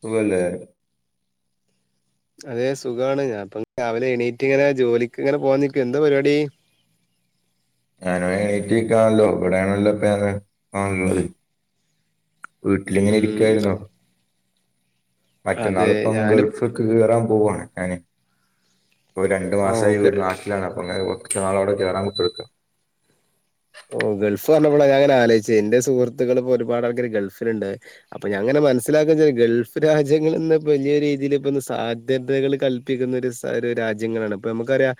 സുഖല്ലേ അതെ സുഖാണ് ഞാൻപ്പോ രാവിലെ എണീറ്റ് ഇങ്ങനെ ജോലിക്ക് ഇങ്ങനെ പോവാൻ നിക്ക എന്താ പരിപാടി ഞാൻ എണീറ്റക്കാണല്ലോ ഇവിടെയാണല്ലോ ഇപ്പ ഞാനുള്ളത് വീട്ടിൽ ഇങ്ങനെ ഉം ഇരിക്കുവായിരുന്നു അതെ മറ്റന്നാളുപ്പം ഞാന് ഗൾഫക്ക് കയറാൻ പോവാണ് ഞാൻ രണ്ടു ഓ മാസമായി ഗ- വീട് നാട്ടിലാണ് അപ്പൊ അങ്ങനെ നാളോടെ കയറാൻ ഓ ഗൾഫ് പറഞ്ഞപ്പോളാ ഞാനിങ്ങനെ ആലോചിച്ച് എന്റെ സുഹൃത്തുക്കളിപ്പോ ഒരുപാട് ആൾക്കാര് ഗൾഫിലുണ്ട് അപ്പൊ ഞാങ്ങിനെ മനസ്സിലാക്ക ഗൾഫ് രാജ്യങ്ങളിന്ന് വലിയ രീതിയിൽ ഇപ്പൊ സാധ്യതകൾ കൽപ്പിക്കുന്ന രാജ്യങ്ങളാണ് ഇപ്പൊ നമുക്കറിയാം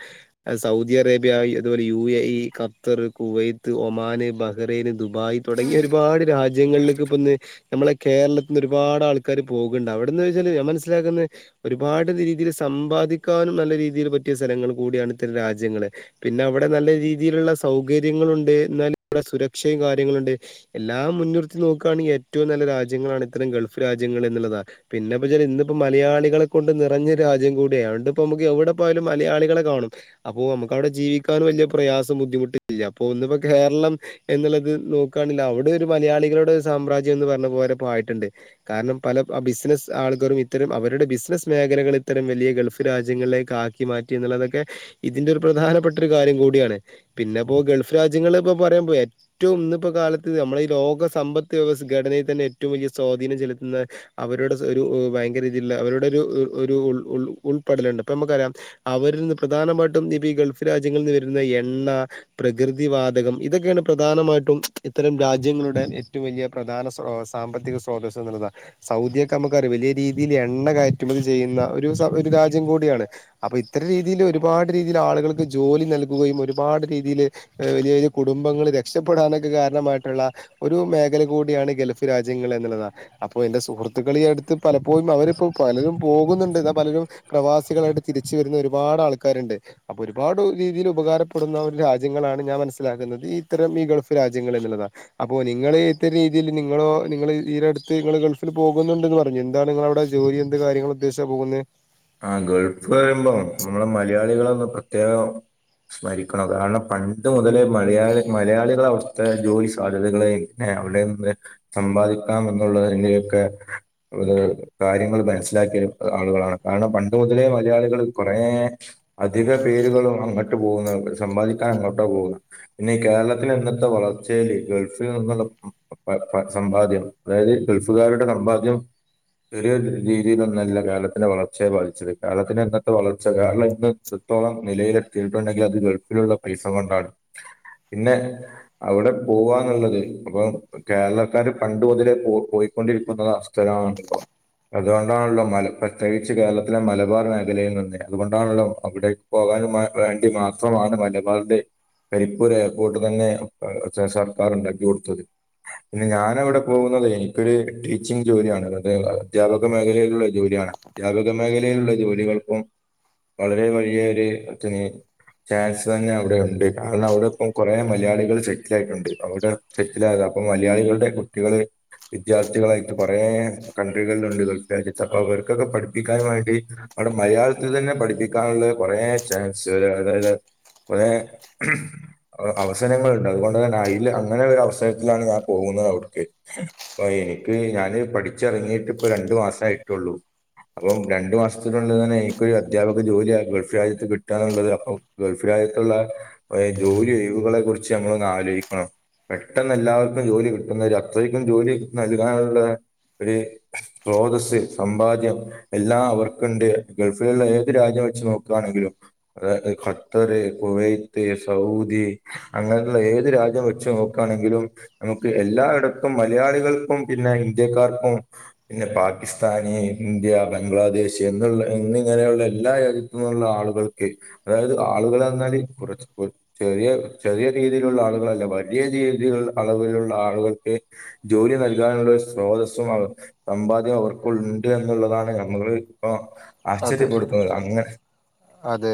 സൗദി അറേബ്യ അതുപോലെ U A E Qatar Kuwait Oman Bahrain Dubai തുടങ്ങിയ ഒരുപാട് രാജ്യങ്ങളിൽക്ക് ഇപ്പന്ന് നമ്മളെ കേരളത്തിന്ന് ഒരുപാട് ആൾക്കാാര് പോകിണ്ട് അവിടെന്ന് വെച്ചാല് ഞാൻ മനസിലാക്കുന്നെ ഒരുപാട് രീതിൽ സമ്പാദിക്കാനും നല്ല രീതീല്‌ പറ്റിയ സ്ഥലങ്ങൾ കൂടിയാണ് ഇത്തരം രാജ്യങ്ങള്. പിന്നെ അവടെ നല്ല രീതിയിലുള്ള സൗകര്യങ്ങളു തേ ഇന്നാലും ഇവടെ സുരക്ഷയും കാര്യങ്ങളുണ്ട്. എല്ലാം മുൻനിർത്തി നോക്കാണെ ഏറ്റവും നല്ല രാജ്യങ്ങളാണ് ഇത്തറീം ഗൾഫ് രാജ്യങ്ങള് എന്ന്ള്ളതാ പിന്നെപ്പൊ ഇജ്ജറി ഇന്ന്പ്പോ മലയാളികളെ കൊണ്ട് നിറഞ്ഞ രാജ്യം കൂടിയാ അവോണ്ട്പ്പമ്മക്ക് എവിടെ പോയാലും മലയാളികളെ കാണും അപ്പോ അമ്മക്കവിടെ ജീവിക്കാൻ വെല്ല്യാ പ്രയാസും ബുദ്ധിമുട്ടില്ല അപ്പോ ഇന്ന്പ്പോ കേരളം എന്ന്ള്ളത് നോക്കാണ് ലാ അവിടെ ഒരു മലയാളികളുടെ സാമ്രാജ്യം എന്ന് പറ്ഞ്ഞ പോലേപ്പം ആയിട്ട്ണ്ട് കാരണം പല ആഹ് ബിസിനസ്സ് ആള്ക്കാരും ഇത്തരം അവരുടെ ബിസിനസ് മേഖലകള് ഇത്തരം വലിയ ഗൾഫ് രാജ്യങ്ങളിലേ കാക്കി മാറ്റി എന്ന്ള്ളതൊക്കെ ഇതിന്റെ ഒരു പ്രധാനപ്പെട്ട ഒരു കാര്യം കൂടിയാണ് പിന്നെപ്പോ ഗൾഫ് രാ ജ്യങ്ങള്പ്പോ പറിമ്പോഴെ ഏറ്റവും ഇന്ന്പ്പോ കാലത്ത് നമ്മളെ ഈ ലോക സമ്പത്ത് വ്യവസ് ഘടനയിൽ തന്നെ ഏറ്റവും വലിയ സ്വാ അധീനം ചെലത്തുന്ന അവരുടെ സ് ഒരു ഭയങ്കര [unintelligible] അവരുടെ രു ഒ ഒരു ഉൾ ഉൾ ഉൾപ്പെടല്ണ്ട്പ്പൊ നമ്മക്കറിയാം അവരില്ന്ന് പ്രധാനമായിട്ടും ദിപീ ഗൾഫ് രാജ്യങ്ങള്ന്ന് വരുന്ന എണ്ണ പ്രകൃ ധി വാതകം ഇതൊക്കെയാണ് പ്രധാനമായിട്ടും ഇത്തരം രാജ്യങ്ങളുടെ ഏറ്റവും വലിയ പ്രധാന സാമ്പത്തിക സോധ സദ്രത സൗദിയൊക്കെ നമുക്കറിയാം വലിയ രീതിയിൽ എണ്ണ കയറ്റുമതി ചെയ്യുന്ന ഒരു സ രാ രാജ്യം കൂടിയാണ് അപ്പൊ ഇത്തരം രീതിയിൽ ഒരുപാട് രീതിയിൽ ആളുകൾക്ക് ജോലി നൽകുകയും ഒരുപാട് രീതീല് വെലിയ വെലിയ കുടുംബങ്ങള് രക് രക്ഷപ്പെടാനൊക്കെ കാരണമായിട്ടുള്ള ഒരു മേഖല കൂടിയാണ് ഗൾഫ് രാജ്യങ്ങള് ങ്ങള്ത അപ്പൊ എന്റെ സുഹൃ ത്തുക്കൾ അടുത്ത് പലപ്പോഴും അവരിപ്പോ പലരും പോകുന്നുണ്ട് എന്നാൽ പലരും പ്രവാസികളായിട്ട് തിരിച്ച് വരുന്ന ഒരുപാ ട് ആൾക്കാരുണ്ട് അപ്പൊ ഒരുപാട് രീതിയിൽ ഉപകാരപ്പെടുന്ന രാജ്യങ്ങളാണ് ഞാൻ മനസ്സിലാക്കുന്നത് ഇത്തരം ഈ ഗൾഫ് രാജ്യങ്ങൾ എന്നുള്ളത അപ്പൊ നിങ്ങൾ ഇത്തരം രീതിയിൽ നിങ്ങളോ നിങ്ങള് തീരെടുത്ത് നിങ്ങള് ഗൾഫിൽ പോകുന്നുണ്ടെന്ന് പറഞ്ഞു എന്താണ് നിങ്ങള അവിടെ ജോലി എന്ത് കാര്യങ്ങൾ ഉദ്ദേശിച്ച പോകുന്നെ? ആഹ് ഗൾഫ് പറയുമ്പോ നമ്മളെ മലയാളികളന്ന് പ്രത്യേകം സ്മരിക്കണം കാരണം പണ്ട് മുതലെ മലയാളി മലയാളികൾ അവസ്ഥ ജോലി സാധ്യതകളെ അവിടെന്ന് സമ്പാദിക്കാം എന്നുള്ളതിന്റൊക്കെ കാര്യങ്ങൾ മനസ്സിലാ ക്കിയ ആളുകളാണ്. കാരണം പണ്ട് മുതലേ മലയാളികൾ കുറേ അധിക പേരുകളും അങ്ങോട്ട് പോകുന്ന സമ്പാദിക്ക അങ്ങോട്ടോ പോവുന്ന് പിന്നെ ഈ കേരളത്തില് ഇന്നത്തെ വളർച്ചെല് ഗൾഫിൽ നിന്നുള്ള പ പ സമ്പാദ്യം അതായത് ഗൾഫുകാരുടെ സമ്പാദ്യം ചെറിയ രീതിയിലൊന്നല്ല കേരളത്തിന്റെ വളർ ച്ചയെ ബധിച്ചത് കേരളത്തിന് ഇന്നത്തെ വളർച്ച കേരള ഇന്ന് എത്രത്തോളം നിലയിലെത്തിയിട്ടുണ്ടെങ്കിൽ അത് ഗൾഫിലുള്ള പ്രി സമണ്ടാട്. പിന്നെ അവിടെ പോവാന്നുള്ളത് അപ്പം കേരളക്കാർ പണ്ട് മുതലെ പോ പോയി കൊണ്ടിരിക്കുന്ന സ്ഥലമാണ് ഇപ്പോ അതുകൊണ്ടാണല്ലോ മല പ്രത്യേക ച്ച് കേരളത്തിലെ മലബാർ മേഖലയിൽ നിന്നെ അതുകൊണ്ടാണല്ലോ അവിടേക്ക് പോകാനും വേണ്ടി മാത്രമാണ് മല മൾടെ കരിപ്പൂർ എയർപോർട്ട് തന്നെ സർക്കാർ ഉണ്ടാക്കി കൊടുത്തത്. പിന്നെ ഞാനവിടെ പോകുന്നത് എനിക്കൊരു ടീച്ചിങ് ജോലിയാണ് അ അധ്യാപക മേഖലയിലുള്ള ജോലിയാണ്. അധ്യാപക മേഖലയിലുള്ള ജോലികൾപ്പം വളരെ വലിയ ഒരു [unintelligible] ചാൻസ് തന്നെ അവിടെ ഒണ്ട്. കാരണം അവിടെ ഇപ്പം കൊറേ മലയാളികൾ സെറ്റിലായിട്ടുണ്ട് അവിടെ സെറ്റിൽ ആകാം അപ്പൊ മലയാളികളുടെ കുട്ടികള് വിദ്യാർത്ഥികളായിട്ട് കുറേ കൺട്രികളിലുണ്ട് ഗൾഫ് രാജ്യത്തൊക്കെ. അവർക്കൊക്കെ പഠി പ്പിക്കൻ വേണ്ടി അവിടെ മലയാളത്തിൽ തന്നെ പഠിപ്പിക്കാനുള്ള കുറേ ചാൻസ് അതായത് കുറേ അ അവസരങ്ങളുണ്ട്. അതുകൊണ്ട് തന്നെ അയിൽ അങ്ങനെ ഒരു അവസരത്തിലാണ് ഞാൻ പോകുന്നത് അവിടുക്ക് അപ്പെ നിക്ക് ഞാന് പഠിച്ചെറങ്ങിട്ട് ഇപ്പ രണ്ടു മാസായിട്ടുള്ളൂ. അപ്പം രണ്ടു മാസത്തിനുള്ളിൽ തന്നെ എനിക്കൊരു അധ്യാപക ജോലി ആ ഗൾഫ് രാജ്യത്ത് കിട്ടുകാന്നുള്ളത് അപ്പം ഗൾഫ് രാ ജ്യത്തുള്ള ജോലി ഒഴിവുകളെ കുറിച്ച് നമ്മളൊന്ന് ആലോചിക്കണം. പെട്ടെന്ന് എല്ലാവർക്കും ജോലി കിട്ടുന്ന അത്രയ്ക്കും ജോലി നൽകാനുള്ള ഒരു സ്രോതസ്സ് സമ്പാദ്യം എല്ലാം അവർക്കുണ്ട്. ഗൾഫിലുള്ള ഏത് രാജ്യം വെച്ച് നോക്കുവാണെങ്കിലും അത് ഖത്തറ് കുവൈത്ത്, സൗദി അങ്ങനെയുള്ള ഏത് രാജ്യം വെച്ച് നോക്കുവാണെങ്കിലും നമുക്ക് എ എല്ലായിടത്തും മലയാളികൾക്കും പിന്നെ ഇന്ത്യക്കാർക്കും പിന്നെ പാക്കിസ്ഥാന്, ഇ ന്ത്യ, ബംഗ്ലാദേശ് എന്നുള്ള എന്നിങ്ങനെയുള്ള എല്ലാ രാജ്യത്തു നിന്നുള്ള ആളുകൾക്ക് അതായത് ആളുക ളെന്നാല് കുറച്ച് ചെറിയ ചെറിയ രീതിയിലുള്ള ആളുകളല്ല വലിയ രീതിയിലുള്ള അളവിലുള്ള ആളുകൾക്ക് ജോലി നൽകാനുള്ള സ്രോതസ്സും അവർ സമ്പാദ്യവും അവർക്കുണ്ട് എ ന്നുള്ളതാണ് നമ്മളെ ഇപ്പൊ അതെ ആശ്ചര്യപ്പെടുത്തുന്നത് അങ്ങനെ അതെ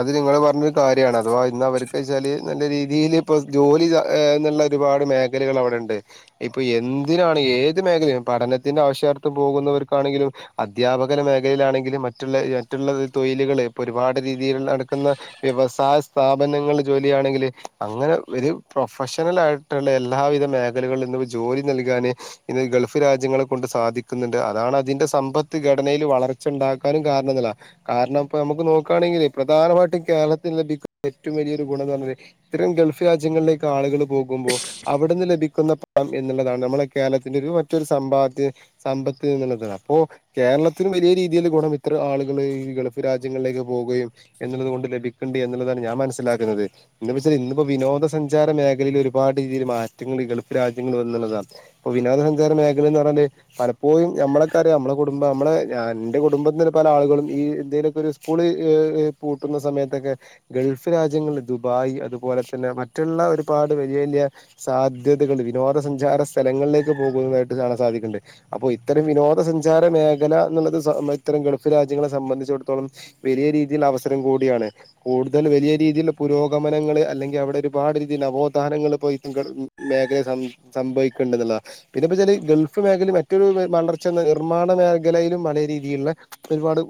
അത് നിങ്ങള് പറഞ്ഞത് കാര്യാണ് അഥവാ ഇന്ന വർക്ക്‌ന്ന് വെച്ചാല് നല്ല രീതിയിൽ ഇപ്പൊ ജോലി എന്നുള്ള ഒരുപാട് മേഖലകൾ അവിടെ ഉണ്ട് ഇപ്പൊ എന്തിനാണ് ഏത് മേഖലയും പഠനത്തിന്റെ ആവശ്യാർത്ഥം പോകുന്നവർക്കാണെങ്കിലും അധ്യാപകര മേഖലയിലാണെ ങ്കിലും മറ്റുള്ള മറ്റുള്ള തൊയിലുകൾ ഇപ്പൊ ഒരുപാട് രീ തിയിൽ നടക്കുന്ന വ്യവസായ സ്ഥാപനങ്ങളിൽ ജോലിയാണെങ്കിൽ അങ്ങനെ ഒരു പ്രൊഫഷണൽ ആയിട്ടുള്ള എല്ലാവിധ മേഖലകളിലും ഇന്ന് ജോലി നൽകാന് ഇന്ന് ഗൾഫ് രാജ്യങ്ങളെ കൊണ്ട് സാധിക്കുന്നുണ്ട്. അതാണ് അതിന്റെ സമ്പത്ത് ഘടനയിൽ വളർച്ച ഇണ്ടാക്കാനും കാരണിങ്ങളാ കാരണം ഇപ്പ നമുക്ക് നോക്കുകയാണെങ്കിൽ- പ്രധാനമായിട്ടും കേരളത്തിന് ലഭിക്കുന്ന ഏറ്റവും വലിയൊരു ഗുണം എന്ന് പറഞ്ഞാ ഇത്തരം ഗൾഫ് രാജ്യങ്ങളിലേക്ക് ആളുകൾ പോകും നോക്കുമ്പോൾ അവിടുന്ന് ലഭിക്കുന്ന പണം എന്നുള്ളതാണ് നമ്മളുടെ കേരളത്തിന്റെ ഒരു മറ്റൊരു സമ്പാദ്യ സാമ്പത്ത- ഇങ്ങനെ തരാം അപ്പോ കേരളത്തിന് വലിയ രീതിയിൽ ഗുണം ഇത്ര ആളുകൾ ഈ ഗൾഫ് രാജ്യങ്ങളിലേക്ക് പോവുകയും- എന്നുള്ളത് കൊണ്ട് ലഭിക്കണ്ടി എന്നുള്ളതാണ് ഞാൻ മനസ്സിലാക്കുന്നത് എന്ന് വെച്ചാൽ ഇന്നിപ്പോ വിനോദസഞ്ചാര മേഖലയിൽ ഒരുപാട്- രീതിയിൽ മാറ്റങ്ങൾ ഗൾഫ് രാജ്യങ്ങൾ വന്നുയെന്നുള്ളതാ ഇപ്പൊ വിനോദസഞ്ചാര മേഖല എന്ന് പറഞ്ഞാല് പലപ്പോഴും- നമ്മളെക്കാര് നമ്മളെ കുടുംബം നമ്മള് ഞാൻ എന്റെ കുടുംബത്തി പല ആളുകളും ഈ എന്തെേലുമൊക്ക ഒരു സ്കൂളി - പൂട്ടുന്ന സമയത്തൊക്കെ ഗൾഫ് രാജ്യങ്ങളിൽ ദുബായ് അതുപോലെ തന്നെ മറ്റുള്ള ഒരുപാട് വലിയ വലിയ- സാധ്യതകൾ വിനോദസഞ്ചാര സ്ഥലങ്ങളിലേക്ക് പോകുന്നതായിട്ട് കാണാൻ സാധിക്കുന്നുണ്ട് അപ്പോ ഇത്തരം വിനോ - വിനോദസഞ്ചാര മേഖല എന്നുള്ളത് ഇത്തരം ഗൾഫ് രാജ്യങ്ങളെ സംബന്ധിച്ചിടത്തോളം വലിയ രീതിയിൽ അവസ് - രം കൂടിയാണ് കൂടുതൽ വലിയ രീതിയിൽ പുരോഗമനങ്ങള് അല്ലെങ്കി അവിടെ ഒരുപാട് രീതിയിൽ നവോദാനങ്ങളും- [unintelligible] മേഖലെ സംഭവിക്കണ്ട എന്നുള്ളതാ പിന്നെ ഇപ്പൊ വെച്ചാല് ഗൾഫ് മേഖലയിൽ മറ്റൊരു- പക്ഷെ നിർമ്മാണ മേഖലയിലും പല രീതിയിലുള്ള ഒരുപാട്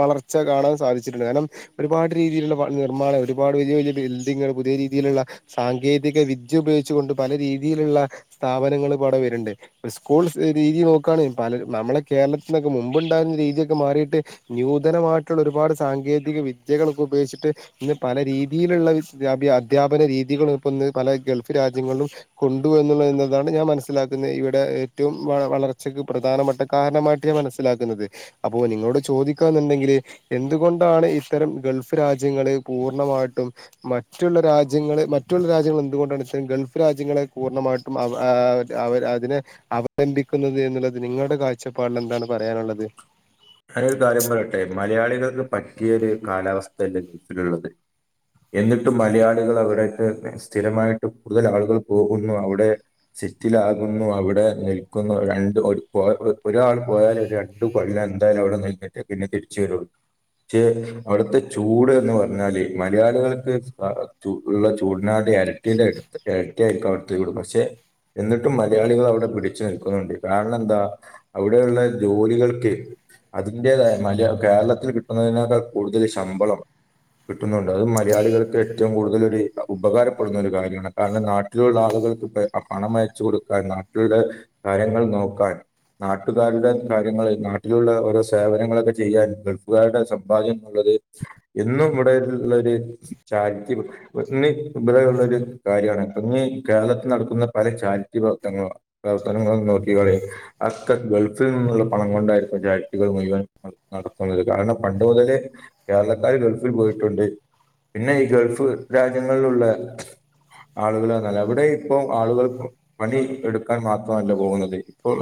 വളർച്ച കാണാൻ സാധിച്ചിട്ടുണ്ട് കാരണം- ഒരുപാട് രീതിയിലുള്ള നിർമ്മാണം ഒരുപാട് വലിയ വലിയ ബിൽഡിങ്ങൾ പുതിയ രീതിയിലുള്ള സാങ്കേതിക വി ഉപയോഗിച്ചൊണ്ട് പല രീതിയിലുള്ള സ്ഥാപനങ്ങൾ അവിടെ വരുണുണ്ട് സ്കൂൾ രീതി നോക്കുകയാണ് ബ - നമ്മളെ കേരളത്തിന് മുമ്പോടകുന്ന രീതിയൊക്കെ മാറിയിട്ട് ന്യൂതനമായിട്ടുള്ള ഒരുപാട് സാങ്കെതി - വിദ്യകളൊക്കെ ഉപയോഗിച്ചിട്ട് ഇന്ന് പല രീതിയിലുള്ള വിദ്യ അധ്യാപന രീതികളും ഇപ്പ ഇ പല ഗൾഫ് രാജ്യങ്ങളിലും കൊണ്ടു എന്നുള്ള എന്നതാണ് ഞാൻ മനസ്സിലാക്കുന്നത് ഇവിടെ ഏറ്റവും വളർച്ചക്ക് പ്ര പ്രധാനപ്പെട്ട കാരണമായിട്ട ഞാൻ മനസ്സിലാക്കുന്നത് അപ്പോ നിങ്ങളോട് ചോദിക്കാന്നുണ്ടെങ്കിൽ എന്തുകൊണ്ടാണ്- ഇത്തരം ഗൾഫ് രാജ്യങ്ങള് പൂർണ്ണമായിട്ടും മറ്റുള്ള രാജ്യങ്ങള് മറ്റുള്ള രാജ്യങ്ങൾ എന്തുകൊണ്ടാണ്- ഗൾഫ് രാജ്യങ്ങള് പൂർണ്ണമായിട്ടും അവ ആ ആ അവ അതിനെ അവലംബിക്കുന്നത് എന്നുള്ളത് നിങ്ങൾ- നിങ്ങടെ കാഴ്ചപ്പാടിൽ എന്താണ് പറയാനുള്ളത് ഞാനോരു കാര്യം പറയട്ടെ മലയാളികൾക്ക് പറ്റിയ ഒരു കാലാവസ്ഥയല്ലേ ഗൾഫിലുള്ളത് എന്നിട്ടും മലയാളികള് അവിടൊക്കെ സ്ഥിരമായിട്ട് കൂടുതൽ ആളുകൾ പോകുന്നു അവിടെ സെറ്റിലാകുന്നു അവിടെ നിൽക്കുന്നു രണ്ട് ഒരു ഒരു ഒ പോ ഒരാൾ പോയാൽ രണ്ടു കൊല്ലം- എന്തായാലും അവിടെ നിന്നിട്ട് പിന്നെ തിരിച്ച് വരുള്ളൂ. ക്ഷെ അവിടുത്തെ ചൂട് എന്ന് പറഞ്ഞാല് മലയാളികൾക്ക് അഹ് ചു ഇള്ള ചൂടിനാ ന്റെ എരട്ടീന്റെ എടുത്ത് എരട്ടിയായിരിക്കും അവിടുത്ത ചൂട് പക്ഷെ എന്നിട്ടും മലയാളികൾ അവിടെ പിടിച്ചു നിൽക്കുന്നുണ്ട് കാരണം എന്താ അവിടെയുള്ള ജോലികൾക്ക് അതിന്റേതായ മല കേരളത്തിൽ കിട്ടുന്നതിനേക്കാൾ കൂടുതല് ശമ്പളം കിട്ടുന്നുണ്ട് അതു മലയാളികൾക്ക് ഏറ്റവും കൂടുതൽ ഒരു ഉപകാരപ്പെടുന്ന ഒരു കാര്യമാണ് കാരണം നാട്ടിലുള്ള ആളു കൾക്കിപ്പ അ പണം അയച്ചു കൊടുക്കാൻ നാട്ടിലെ കാര്യങ്ങൾ നോക്കാൻ നാട്ടുകാരുടെ കാര്യങ്ങളെ നാ ട്ടിലുള്ള ഓരോ സേവനങ്ങളൊക്കെ ചെയ്യാൻ ഗൾഫുകാരുടെ സമ്പാദ്യമുള്ളത് ഇന്നും ഇവിടെ ഇത് ഇള്ള ചാരിറ്റി [unintelligible] കാര്യമാണ് ഇന്നീ കേരളത്തിൽ നടക്കുന്ന പ ല ചാരിറ്റി പ്രവർത്തനങ്ങളുവാ പ്രവർത്തനങ്ങള് ഇങ്ങള് നോക്കി കോളി അക്ക ഗൾഫിൽ നിന്നുള്ള പണം കൊണ്ടായിരു ന്നു ചാരിറ്റികൾ മുഴുവൻ നടത്തുന്നത് കാരണം പണ്ട് മുതലേ കേരളക്കാര് ഗൾഫിൽ പോയിട്ടുണ്ട്. പിന്നെ ഈ ഗൾഫ് രാജ്യങ്ങളിലുള്ള ആളുകളാ നല്ല അവിടെ ഇപ്പം ആളുകൾ പണി എടുക്കാൻ മാത്രമല്ല പോകുന്നത് ഇപ്പോൾ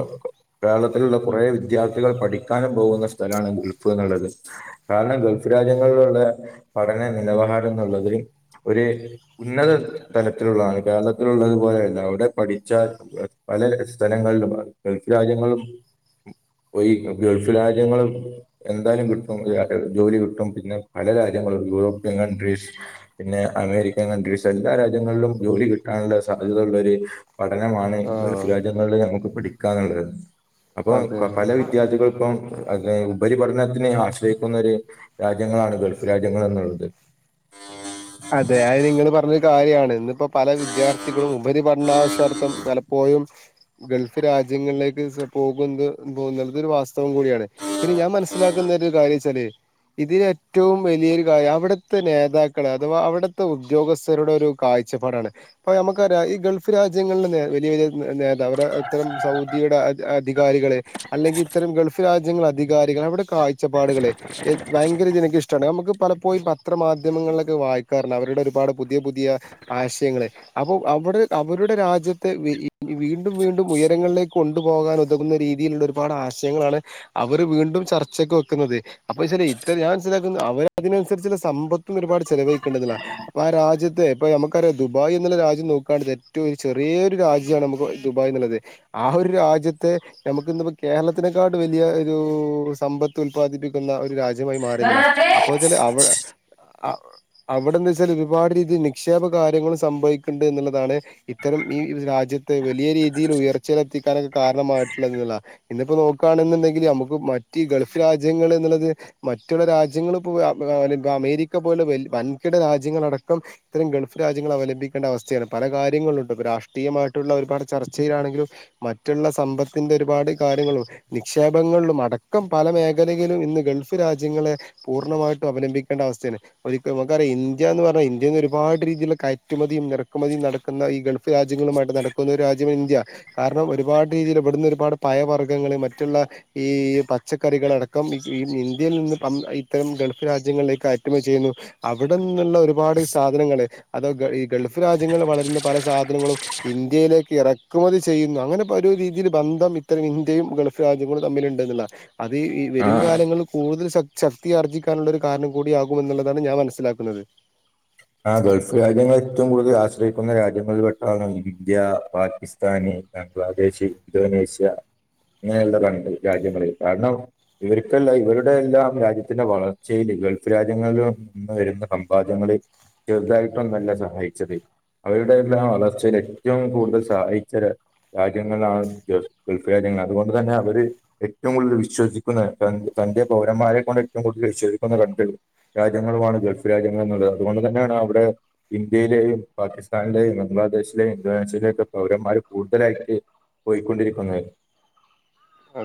കേരളത്തിലുള്ള കുറ വിദ്യാർത്ഥ പഠിക്കാനും പോകുന്ന സ്ഥലമാണ് ഗൾഫ് എന്നുള്ളത് കാരണം ഗൾഫ് രാജ്യങ്ങളില് ള്ള നിലവാരം ന്നുള്ളതിൽ ഒര് ഉന്നത തലത്തിലുള്ളതാണ് കേരളത്തിലുള്ളതു പോലെയല്ല അവിടെ പഠിച്ച പല സ്ഥലങ്ങളിലും ഗൾഫ് രാജ്യങ്ങളിലും പോയി ഗൾഫ് രാജ്യങ്ങൾ എന്തായാലും കിട്ടും ജോലി കിട്ടും പിന്നെ പല രാജ്യങ്ങളും യൂറോപ്യൻ കൺട്രീസ് പിന്നെ അമേരിക്കൻ കൺട്രീസ് എല്ലാ രാജ്യങ്ങളിലും ജോലി കിട്ടാനുള്ള സാധ്യതകള ള്ളൊര് പഠനമാണ് ഗ്ഫു ആഹ് രാജ്യങ്ങളിൽ നമുക്ക് പഠിക്കാ ന്നുള്ളത് അപ്പൊ അതെ കൊ പല വിദ്യാർത്ഥികൾ ഇപ്പം അ ഉപരിപഠനത്തിനന് ആശ്രയിക്കുന്നൊ രു രാജ്യങ്ങളാണ് ഗൾഫ് രാജ്യങ്ങൾ എന്നുള്ളത് ആ [inaudible] അതെ അത് നിങ്ങൾ പറഞ്ഞൊരു കാര്യമാണ് ഇന്നിപ്പോ പല വിദ്യാർത്ഥികളും ഉപരിപഠനാവശ്യാർത്ഥം പലപ്പോലും ഗൾഫ് രാജ്യങ്ങളിലേക് പോകുന്നത് പോവുന്ന ഇതൊരു വാസ്തവം കൂടി ആണ് മനസ്സിലാക്കുന്ന കാര്യം ച്ചാൽ ഇതി ഏറ്റവും വലിയൊരു കാര്യം അവിടുത്തെ നേതാക്കള അഥവാ അവിടുത്തെ ഉദ്യോഗസ്ഥരുടെ ഒരു കാഴ്ചപ്പാടാണ് അപ്പൊ നമുക്കറിയ ഈ ഗൾഫ് രാജ്യങ്ങളിൽ വലിയ വലിയ നേത അവ ഇത്തരം സൗദിയുടെ അധ് അധികാരികളെ അല്ലെങ്കിൽ ഇത്തരം ഗൾഫ് രാജ്യങ്ങൾ അധികാരി ടെ കാഴ്ചപ്പാഡ്കൾ ഭയങ്കര ജന ഇഷ്ടമാണ് നമുക്ക് പലപ്പോഴും പത്ര മാധ്യമങ്ങളില വായിക്കാറ അവരുടെ ഒരുപാട് പുതിയ പുതിയ ആശയങ്ങൾ അപ്പൊ അവ അവരുടെ രാജ്യത്ത് വീണ്ടും വീണ്ടും ഉയരങ്ങളിലേക്ക് കൊണ്ടു പോകാൻ ഉതകുന്ന രീതിയിലുള്ള ഒരുപാട് ആശയങ്ങളാണ് അവർ വീണ്ടും ചർച്ചക്കെ വെക്കുന്നത് അപ്പൊ ഇ ഞൻ മനസിലാക്കുന്നു അവരതിനനുസരിച്ചുള്ള സമ്പത്തും ഒരുപാട് ചെലവഴിക്കേണ്ടതാണ് അപ്പൊ ആ രാജ്യത്തെ ഇപ്പൊ നമുക്കറിയാം ദുബായ് എന്നുള്ള രാജ്യം നോക്കുക ഏറ്റവും ചെറിയരു രാജ്യ രാജ്യമാണ് നമുക്ക് ദുബായ് എന്നുള്ളത് ആ ഒരു രാജ്യത്തെ നമുക്ക് കേരളത്തിനെക്കാ വലിയ ഒരു സമ്പത്ത് ഉല്പാദിപ്പിക്കുന്ന ഒരു രാജ്യമായി മാറി ന്നള്ളതാണ് അവിടെന്ത വെച്ചാൽ ഒരുപാട് രീതിയിൽ നിക്ഷേപ കാര്യങ്ങൾ സംഭവിക്കണ്ട് എന്നുള്ളതാണ് ഇത്തരം ഈ രാജ്യത്തെ വലിയ രീതിയിൽ ഉയർച്ചയിലെത്തിക്കാനൊക്കെ കാരണമായിട്ടുള്ളുള്ള ഇന്നിപ്പോ നോക്കുകയാണെന്നുണ്ടെങ്കിൽ നമുക്ക് മറ്റ് ഗൾഫ് രാജ്യങ്ങൾ എന്നുള്ളത് മറ്റുള്ള രാജ്യങ്ങളൾ ഇപ്പോ അമേരിക്ക പോലെ വ വൻകിട രാജ്യങ്ങളടക്കം ഇത്തരം ഗൾഫ് രാജ്യങ്ങൾ അവലംബിക്കേണ്ട അവസ്ഥയാണ് പല കാര്യങ്ങളിലുണ്ട് ഇപ്പോ രാഷ്ട്രീയമായിട്ട് മറ്റുള്ള ഒരുപാട് ചർച്ചയിലാണെങ്കിലും മറ്റുള്ള സമ്പത്തിന്റെ ഒരുപാട് കാര്യങ്ങളും നിക്ഷേപങ്ങളിലും അടക്കം പല മേഖലയിലും ഇന്ന് ഗൾഫ് രാജ്യങ്ങളെ പൂർണ്ണമായിട്ടും അവലംബിക്കേണ്ട അവസ്ഥയാണ് ഒ നമുക്കറിയാം ഇന്ത്യ എന്ന് പറഞ്ഞൽ ഇന്ത്യയിന്ന് ഒരുപാട് രീതിയിലുള്ളയുമതിയും നിറക്കുമതിയും നടക്കുന്ന ഈ ഗൾഫ് രാജ്യങ്ങളുമായി നടക്കുന്ന ഒരു രാജ്യമാണ് ഇന്ത്യ കാരണം ഒരുപാട് രീതിയിൽ ഇവിടുന്ന ഒരുപാട് പഴവർഗങ്ങൾ മറ്റുള്ള ഈ ഈ പച്ചക്കറികളടക്കംഈ ഇന്ത്യയിൽ നിന്ന് ഇത്തരം ഗൾഫ് രാജ്യങ്ങളിലേക്ക്യറ്റുമ ചെയ്യുന്നു അവിടെ നിന്നുള്ള ഒരുപാട് സാധനങ്ങള്ൾ അതോ ഗൾഫ് രാജ്യങ്ങളിൽ വളരുന്ന പല സാധനങ്ങളും ഇന്ത്യയിലേക്ക് ഇറ ആക്കുമതി ചെയ്യുന്നു അങ്ങനെ പല രീതിയിൽ ബന്ധം ഇത്തരം ഇന്ത്യയും ഗൾഫ് രാജ്യങ്ങളും തമ്മിലുണ്ടെന്നുള്ള അത് ഈ ആ വരും കാലങ്ങിൽ കൂടുതൽ ശക്തിയാർജിക്കാനുള്ള ഒരു കാരണം കൂടിയകുമെന്നുള്ളതാണ് ഞാൻ മനസ്സില ചിലാക്കണുന്നത് ആ ഗൾഫ് രാജ്യങ്ങൾ ഏറ്റവും കൂടുതൽ ആശ്രയിക്കുന്ന രാജ്യങ്ങളിൽ പെട്ടാണ് ഇന്ത്യ പാകിസ്ഥാന് ബംഗ്ലാദേശ് ഇന്തോനേഷ്യ അങ്ങ കണ്ട് രാജ്യം പറയ കാരണം ഇവർക്കല്ലാം ഇവരുടെ എല്ലാം രാജ്യത്തിന്റെ വളർച്ചൽ ഗൾഫ് രാജ്യങ്ങളിൽ നിന്ന് വരുന്ന സമ്പാദങ്ങളെ ചെറുതായിട്ടൊന്നല്ല സഹായിച്ചത് അവരുടെ എല്ലാം വളർച്ചയിൽ ഏറ്റവും കൂടുതൽ സഹച്ച രാജ്യങ്ങളിലാണ് ഗൾഫ് രാജ്യങ്ങൾ അതുകൊണ്ട് തന്നെ അവര് ഏറ്റവും കൂടുതൽ വിശ്വസിക്കുന്ന തന്റെ പൗരന്മാരെ കൊൊണ്ട് ഏറ്റവും കൂടുതൽ വിശോധിക്കുന്ന രണ്ട് രാജ്യങ്ങളുമാണ് ഗൾഫ് രാജ്യങ്ങളുള്ളത് അതുകൊണ്ട് തന്നെ അവിടെ ഇന്ത്യയിലെയും പാകിസ്ഥാനിലെയും ബംഗ്ലാദേശിലെയും ഇന്തോനാഷലെയ ഒക്കെ പൗരന്മാർ കൂടു ലാക്കി പോയിക്കൊണ്ടിരിക്കുന്നത് ആ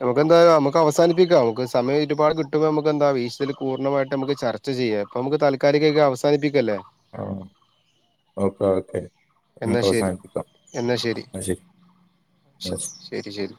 നമുക്ക്െന്താ നമു അവാനപ്പിക്കാം നമു സമയ ഒരുപാ കിട്ടുമ്പോ നമുക്ക് എന്താ വശൽ പൂർണ്ണമായിട്ട് നമ ചർച്ച ചെയ്യാം അപ്പൊ നമുക്ക് തൽക്കാലികൊക്ക അവസാനിപ്പിക്കുംല്ലേ ആ ഓക്കെ ഓക്കെ എന്നാ നമുക്ക് ശരി അവസാനിപ്പിക്കാം എന്നാ ശരി ശരി ശരി